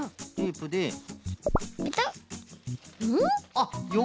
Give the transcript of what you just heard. あっよ